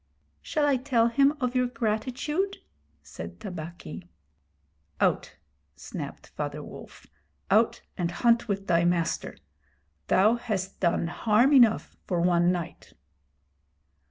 'Shall I tell him of your gratitude?' said Tabaqui. 'Out!' snapped Father Wolf. 'Out and hunt with thy master. Thou hast done harm enough for one night.'